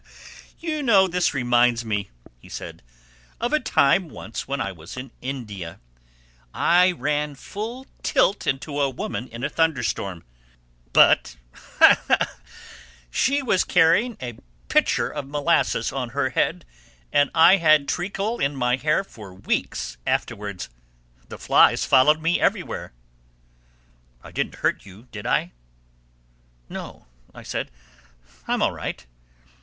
"You know this reminds me," he said, "of a time once when I was in India. I ran full tilt into a woman in a thunderstorm. But she was carrying a pitcher of molasses on her head and I had treacle in my hair for weeks afterwards—the flies followed me everywhere. I didn't hurt you, did I?" "No," I said. "I'm all right."